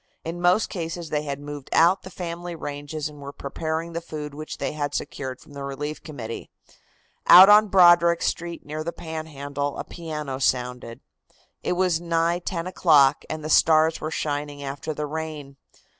In most cases they had moved out the family ranges, and were preparing the food which they had secured from the Relief Committee. Out on Broderick street, near the Panhandle, a piano sounded. It was nigh ten o'clock and the stars were shining after the rain.